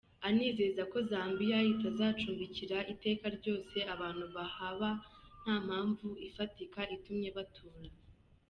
Anizeza ko Zambia itazacumbikira iteka ryose abantu bahaba nta mpamvu ifatika itumye batura.